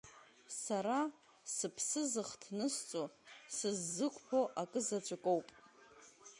Сара сыԥсы зыхҭнысҵо, сыззықәԥо акзаҵәыкоуп…